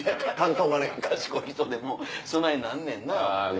賢い人でもそないなんねんな思うて。